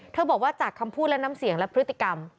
บอกว่าจากคำพูดและน้ำเสียงและพฤติกรรม